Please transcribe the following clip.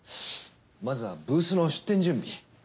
まずはブースの出展準備。